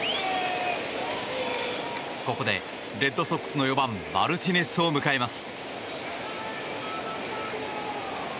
ここで、レッドソックスの４番マルティネスを迎えます。